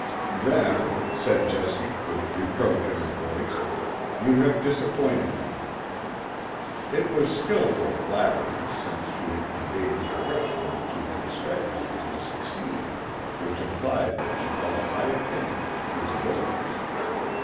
"Then," said Jessie, with reproach in her voice, "you have disappointed me." It was skilful flattery, since she had conveyed the impression that she had expected him to succeed, which implied that she held a high opinion of his abilities.